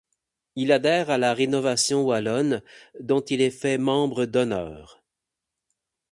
Il adhère à Rénovation wallonne dont il est fait membre d'honneur.